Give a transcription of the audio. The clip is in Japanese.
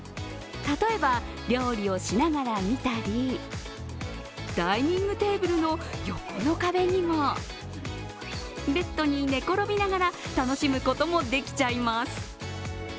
例えば、料理をしながら見たりダイニングテーブルの横の壁にも、ベッドに寝転びながら楽しむこともできちゃいます。